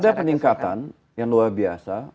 ada peningkatan yang luar biasa